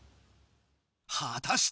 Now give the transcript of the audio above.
はたして。